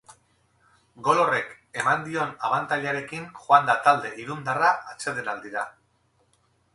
Gol horrek eman dion abantailarekin joan da talde irundarra atsedenaldira.